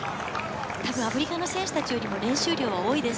アフリカの選手たちよりも練習量は多いです。